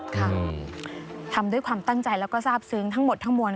ทำด้วยความตั้งใจแล้วก็ทราบซึ้งทั้งหมดทั้งมวล